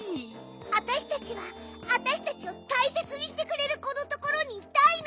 わたしたちはわたしたちをたいせつにしてくれるこのところにいたいの！